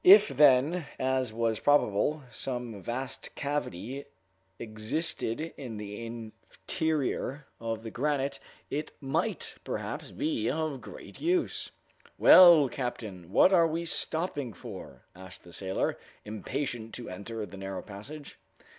If then, as was probable, some vast cavity existed in the interior of the granite, it might, perhaps, be of great use. "Well, captain, what are we stopping for?" asked the sailor, impatient to enter the narrow passage.